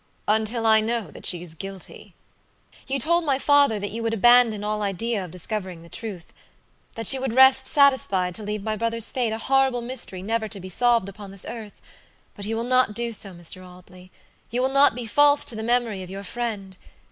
"Until I know that she is guilty." "You told my father that you would abandon all idea of discovering the truththat you would rest satisfied to leave my brother's fate a horrible mystery never to be solved upon this earth; but you will not do so, Mr. Audleyyou will not be false to the memory of your friend.